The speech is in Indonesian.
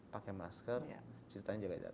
pakai masker cincin tangan jaga jalan